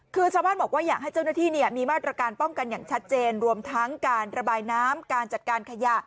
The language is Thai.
คือชาวบ้านบอกว่าอยากให้เจ้าหน้าที่มีมาตรการป้องกันอย่างชัดเจนรวมทั้งการระบายน้ำการจัดการขยะ